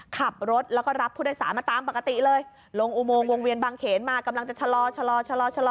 ขับรถแล้วก็รับผู้โดยสารมาตามปกติเลยลงอุโมงวงเวียนบางเขนมากำลังจะชะลอชะลอชะลอชะลอ